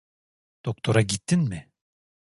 Doktora gittin mi?